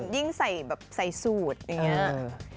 ยิ่งใส่สูตรอย่างนี้